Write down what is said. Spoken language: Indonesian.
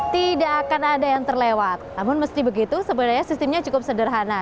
tidak akan ada yang terlewat namun meski begitu sebenarnya sistemnya cukup sederhana